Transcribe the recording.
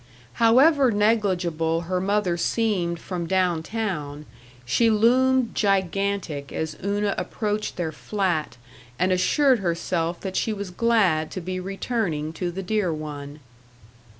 However negligible her mother seemed from down town, she loomed gigantic as Una approached their flat and assured herself that she was glad to be returning to the dear one.